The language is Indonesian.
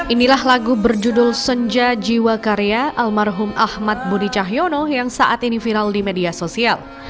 inilah lagu berjudul senja jiwa karya almarhum ahmad budi cahyono yang saat ini viral di media sosial